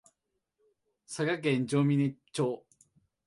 佐賀県上峰町